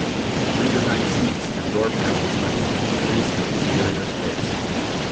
Redesigned seats and door panels led to an increase in interior space.